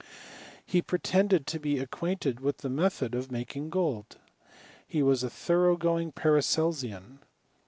He pretended to be acquainted with the method of making gold. He was a thorough going Paracelsian.